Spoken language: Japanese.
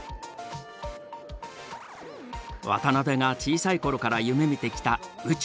渡辺が小さい頃から夢みてきた宇宙。